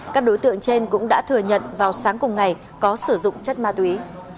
các đối tượng trên cũng đã thừa nhận vào sáng cùng ngày có sử dụng chất ma túy